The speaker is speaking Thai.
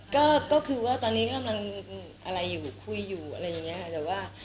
ก็คือว่าตอนนี้กำลังอะไรอยู่คุยอยู่อะไรอย่างนี้ค่ะแต่ว่า